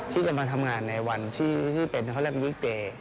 ที่จะมาทำงานในวันที่เป็นเขาเรียกลิเกย์